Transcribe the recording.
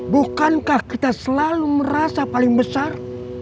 bukankah kita selalu merasa paling besar